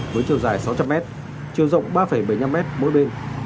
với chiều dài sáu trăm linh m chiều rộng ba bảy mươi năm m mỗi bên